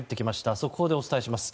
速報でお伝えします。